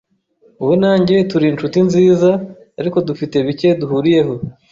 Wowe na njye turi inshuti nziza, ariko dufite bike duhuriyeho.